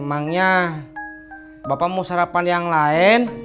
emangnya bapak mau sarapan yang lain